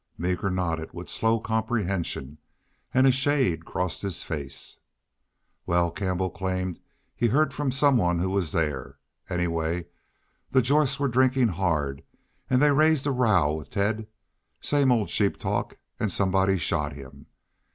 Meeker nodded with slow comprehension and a shade crossed his face. "Wal, Campbell claimed he'd heerd from some one who was thar. Anyway, the Jorths were drinkin' hard, an' they raised a row with Ted same old sheep talk an' somebody shot him.